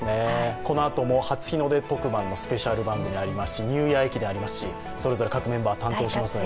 このあとも初日の出特番のスペシャルもありますしニューイヤー駅伝ありますしそれぞれ各メンバー担当しますので